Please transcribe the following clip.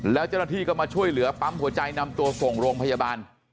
แล้วเจ้าหน้าที่ก็มาช่วยเหลือปั๊มหัวใจนำตัวส่งโรงพยาบาล